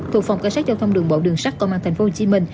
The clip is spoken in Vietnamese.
thuộc phòng cảnh sát giao thông đường bộ đường sắt tp hcm